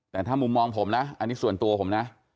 แต่ถ้ามุมมองผมนะอันนี้ส่วนตัวผมนะ